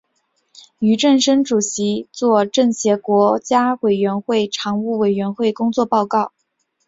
俞正声主席作政协全国委员会常务委员会工作报告。